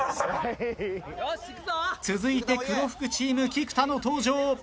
続いて黒服チーム菊田の登場。